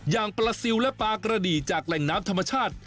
อย่างปลาซิลและปลากระดีจากแหล่งน้ำธรรมชาติ